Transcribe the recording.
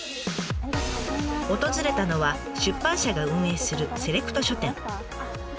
訪れたのは出版社が運営するセレクト書店。